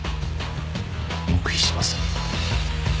黙秘します。